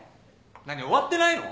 何終わってないの？